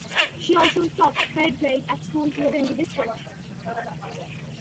She also taught third grade at schools within the district.